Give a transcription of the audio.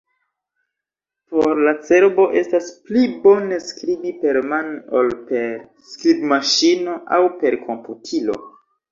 Por la cerbo, estas pli bone skribi permane ol per skribmaŝino aŭ per komputilo.